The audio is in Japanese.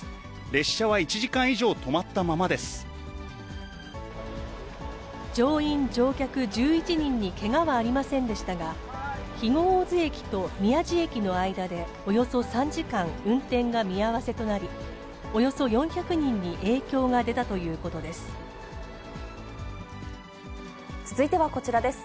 列車は１時間以上止まったままで乗員・乗客１１人にけがはありませんでしたが、肥後大津駅と宮地駅の間で、およそ３時間、運転が見合わせとなり、およそ４００人に影響が出たということ続いてはこちらです。